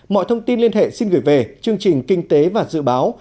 mọi thông tin liên hệ xin gửi về chương trình kinh tế và dự báo